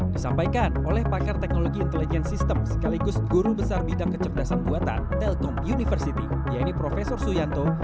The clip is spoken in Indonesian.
disampaikan oleh pakar teknologi intelligence system sekaligus guru besar bidang kecerdasan buatan telkom university yaitu prof suyanto